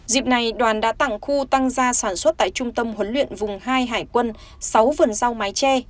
dịp này đoàn đã tặng khu tăng gia sản xuất tại trung tâm huấn luyện vùng hai hải quân sáu vườn rau mái tre